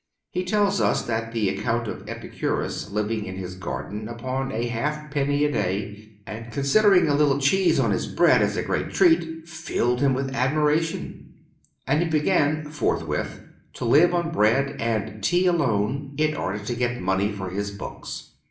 He tells us that the account of Epicurus living in his garden upon a halfpenny a day, and considering a little cheese on his bread as a great treat, filled him with admiration, and he began forthwith to live on bread and tea alone, in order to get money for his books.